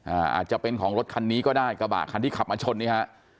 อาจจะเป็นของรถคันนี้ก็ได้กระบะคันที่ขับมาชนนี่ฮะ